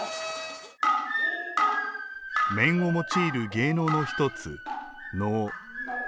面を用いる芸能の一つ、能。